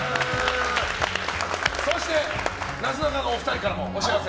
そして、なすなかのお二人からもお知らせ。